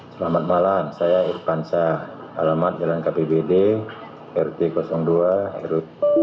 selamat malam saya irfansah alamat jalan kpbd rt dua rw